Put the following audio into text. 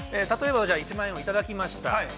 例えば、１万円をいただきました。